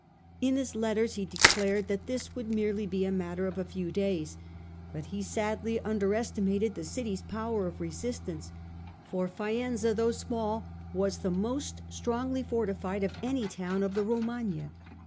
In his letters he declared that this would merely be a matter of a few days, but he sadly underestimated the city's power of resistance, for Faenza, though small, was the most strongly fortified of any town of the Romagna.